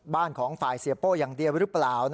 บ้านของฝ่ายเสียโป้อย่างเดียวหรือเปล่า